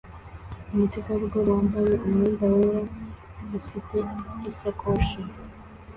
Umutegarugori wambaye umwenda wera ufite isakoshi